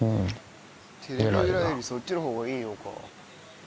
テレビ裏よりそっちの方がいいのか。